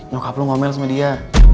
bokap lu ngomel sama dia